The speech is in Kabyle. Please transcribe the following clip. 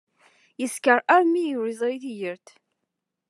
Yeskeṛ armi ur yeẓri tigert.